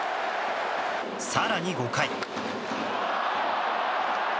更に５回。